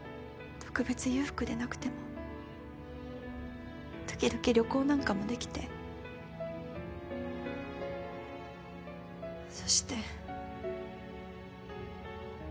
特別裕福でなくても時々旅行なんかもできてそして。